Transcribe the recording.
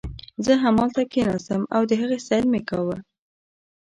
زه همالته کښېناستم او د هغې سیل مې کاوه.